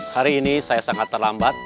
hari ini saya sangat terlambat